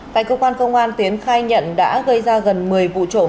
tại cơ quan công an tiến khai nhận đã gây ra gần một mươi vụ trộm